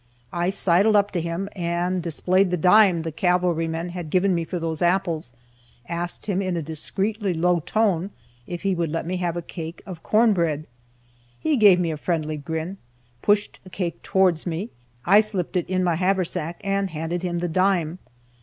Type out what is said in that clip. I sidled up to him, and displaying that dime the cavalryman gave me for those apples, asked him in a discreetly low tone, if he would let me have a cake of corn bread. He gave a friendly grin, pushed a cake towards me, I slipped it in my haversack, and handed him the dime.